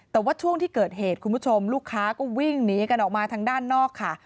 แต่ว่าช่วงที่เกิดเหตุคุณผู้ชมลูกค้าก็วิ่งหนีกันออกมาทางด้านนอกค่ะ